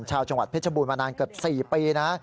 ชาวจังหวัดเพชรบูรณมานานเกือบ๔ปีนะ